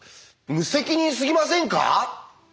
無責任すぎませんか？